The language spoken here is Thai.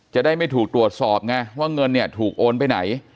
จะได้ไม่ถูกตรวจสอบไงว่าเงินเนี่ยถูกโอนไปไหน